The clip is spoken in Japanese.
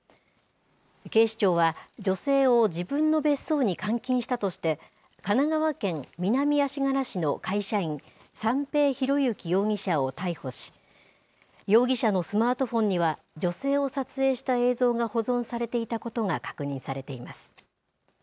警視庁は、女性を自分の別荘に監禁したとして、神奈川県南足柄市の会社員、三瓶博幸容疑者を逮捕し、容疑者のスマートフォンには女性を撮影した映像が保存されていたことが確認されています。